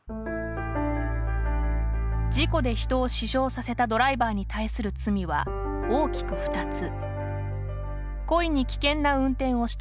事故で人を死傷させたドライバーに対する罪は大きく２つ。